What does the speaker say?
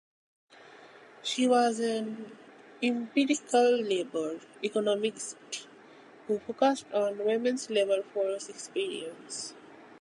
She was an empirical labor economist who focused on women’s labor force experience.